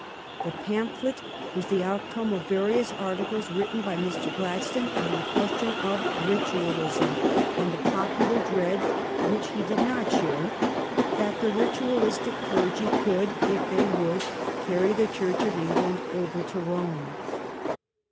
The pamphlet was the outcome of various articles written by Mr. Glad stone on the question of Ritualism and the popular dread, which he did not share, that the ritualistic clergy could, if they would, carry the Church of England over to Rome.